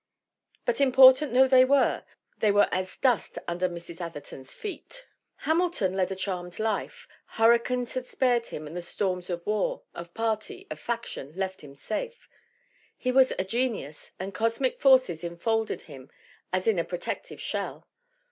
But important though they were, they were as dust under Mrs. Atherton's feet. Hamilton led a charmed life. Hurricanes had spared him and the storms of war, of party, of faction left him safe. He was a genius, and cosmic forces en folded him as in a protective shell.